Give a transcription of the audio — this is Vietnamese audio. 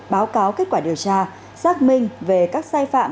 báo cáo kết quả điều tra xác minh về các sai phạm